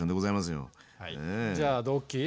じゃあドッキー。